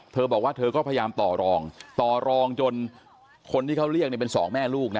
เธอบอกว่าเธอก็พยายามต่อรองต่อรองจนคนที่เขาเรียกเนี่ยเป็นสองแม่ลูกนะ